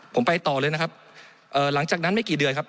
ผมไปต่อเลยนะครับหลังจากนั้นไม่กี่เดือนครับ